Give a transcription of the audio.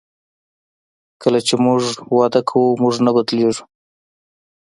کله چې موږ وده کوو موږ نه بدلیږو.